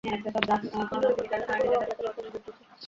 আমি তাদের প্রত্যেক রাতে সূরা ওয়াকেয়া তিলাওয়াতের নির্দেশ দিয়েছি।